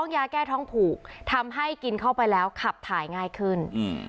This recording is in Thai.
ยาแก้ท้องผูกทำให้กินเข้าไปแล้วขับถ่ายง่ายขึ้น